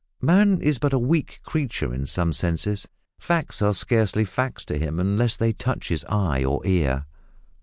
Man is but a weak creature in some senses. Facts are scarcely facts to him unless they touch his eye or ear.